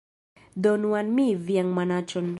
Donu al mi vian manaĉon